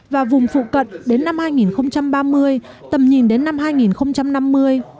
và vùng phụ cận đến năm hai nghìn ba mươi tầm nhìn đến năm hai nghìn năm mươi